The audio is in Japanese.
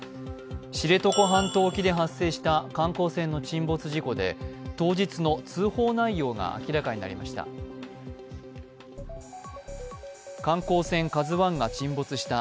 知床半島沖で発生した観光船の沈没事故で、当日の通報内容が明らかになりました。